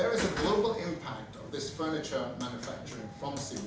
jadi ada sebuah impact global dari perabot perabot di sebu